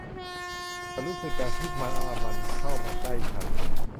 ฉันรู้สึกดังที่ว่ามันเข้ามาใกล้ฉัน